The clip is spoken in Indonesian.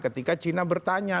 ketika china bertanya